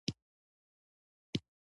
چنګلونه د افغانانو د ګټورتیا برخه ده.